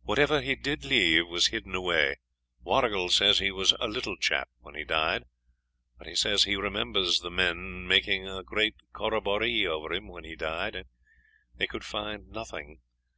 'Whatever he did leave was hidden away. Warrigal says he was a little chap when he died, but he says he remembers men making a great coroboree over him when he died, and they could find nothing.